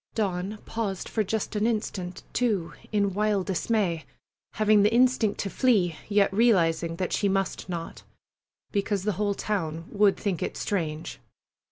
Dawn paused for just an instant, too, in wild dismay, having the instinct to flee, yet realizing that she must not, because the whole town would think it strange.